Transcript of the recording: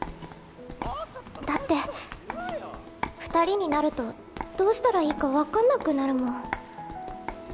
だって２人になるとどうしたらいいか分かんなくなるもん。